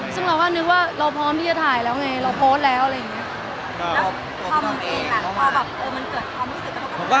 ซึ่งเราก็นึกว่าเราพร้อมที่จะถ่ายแล้วไง